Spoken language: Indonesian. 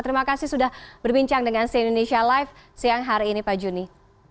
terima kasih sudah berbincang dengan si indonesia live siang hari ini pak juni